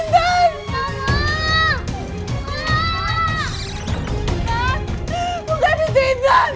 buka pintu intan